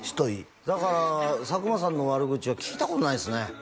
だから佐久間さんの悪口は聞いたことないですね